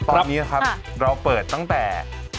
ตอนนี้นะครับเราเปิดตั้งแต่